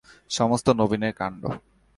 সমস্ত নবীনের কাণ্ড।